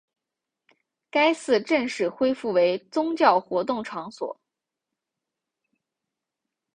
该寺正式恢复为宗教活动场所。